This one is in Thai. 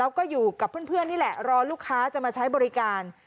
แล้วก็อยู่กับเพื่อนนี่แหละรอลูกค้าจะมาใช้บริการ